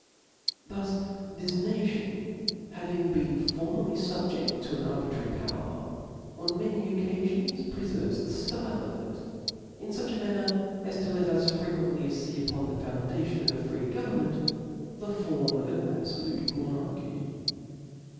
Thus this nation having been formerly fubjecl: to an arbitrary power, on many occafions preferves the flile of it, in fuch a manqer, as to let us fre quently fee upon the foundation of a free govern ment, the form of an abfolute monarchy.